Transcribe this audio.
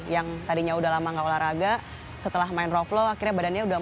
yang tadinya udah lama gak olahraga setelah main rope flow akhirnya badannya udah